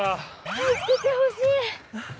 入っててほしい。